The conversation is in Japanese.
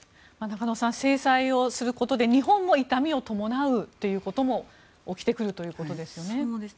中野さん制裁をすることで日本も痛みを伴うということも起きてくるんですよね。